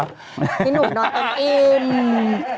นี่นุ่นนอนอิ่ม